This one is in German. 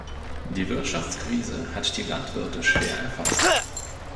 Die Wirtschaftskrise hat die Landwirte schwer erfasst.